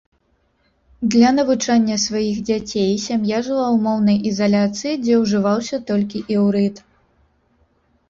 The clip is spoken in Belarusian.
Для навучання сваіх дзяцей сям'я жыла ў моўнай ізаляцыі, дзе ўжываўся толькі іўрыт.